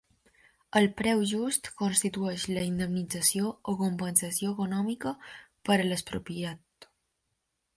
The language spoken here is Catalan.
El preu just constitueix la indemnització o compensació econòmica per a l'expropiat.